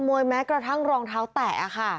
เออขโมยแม้กระทั่งรองเท้าแตะอะค่ะ